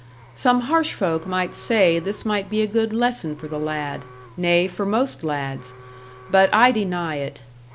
Some harsh folk might say this might be a good lesson for the lad nay, for most lads; but I deny it.